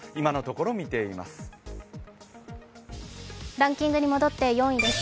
ランキングに戻って４位です。